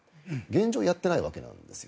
現状、やってないわけなんです。